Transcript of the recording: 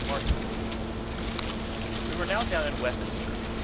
MARTHA We were now down in Westminster.